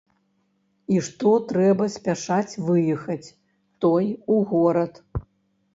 І што трэба спяшаць выехаць той у горад.